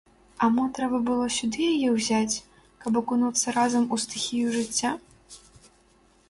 А мо трэба было сюды яе ўзяць, каб акунуцца разам у стыхію жыцця?